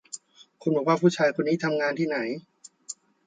คุณบอกว่าผู้ชายคนนี้ทำงานที่ไหน